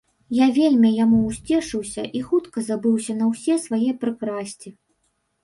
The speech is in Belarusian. Я вельмі яму ўсцешыўся і хутка забыўся на ўсе свае прыкрасці.